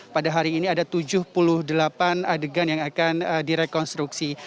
pada hari ini ada tujuh puluh delapan adegan yang akan direkonstruksi